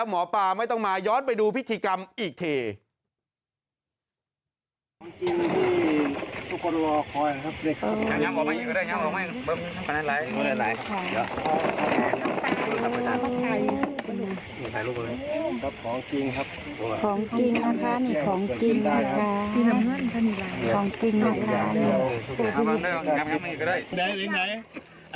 มันมีเข้ามาวิชาคมนะ